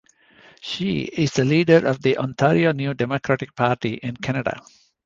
She is the Leader of the Ontario New Democratic Party in Canada.